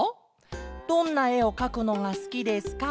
「どんなえをかくのがすきですか？